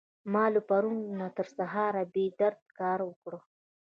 ما له پرون نه تر سهاره بې درده کار وکړ.